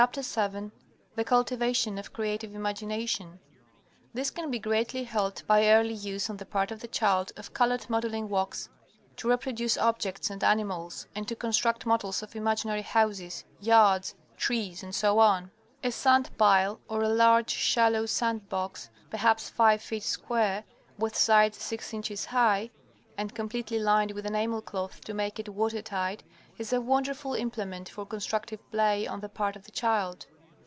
VII THE CULTIVATION OF CREATIVE IMAGINATION This can be greatly helped by early use on the part of the child of colored modeling wax to reproduce objects and animals, and to construct models of imaginary houses, yards, trees, etc. A sand pile, or a large, shallow sand box, perhaps five feet square, with sides six inches high, and completely lined with enamel cloth to make it watertight, is a wonderful implement for constructive play on the part of the child.